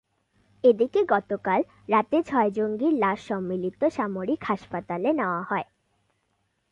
এদিকে গতকাল রাতে ছয় জঙ্গির লাশ সম্মিলিত সামরিক হাসপাতালে নেওয়া হয়।